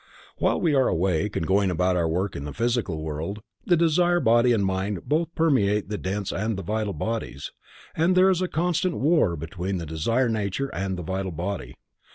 While we are awake and going about our work in the Physical World, the desire body and mind both permeate the dense and the vital bodies, and there is a constant war between the desire nature and the vital body.